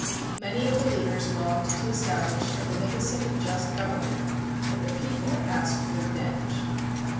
Many of the leaders longed to establish a beneficent and just government, but the people asked for revenge.